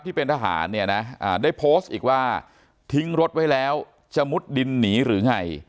ที่เป็นทหารเนี่ยนะได้โพสต์อีกว่าทิ้งรถไว้แล้วจะมุดดินหนีหรือไง